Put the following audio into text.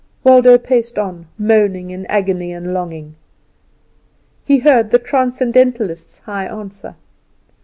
Waldo paced on, moaning in agony and longing. He heard the Transcendentalist's high answer.